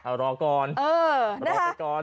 เอ่อรอก่อนรอก่อน